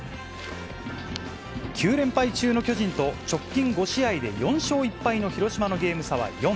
９連敗中の巨人と、直近５試合で４勝１敗の広島のゲーム差は４。